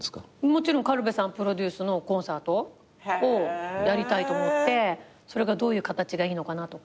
もちろん軽部さんプロデュースのコンサートをやりたいと思ってそれがどういう形がいいのかなとか。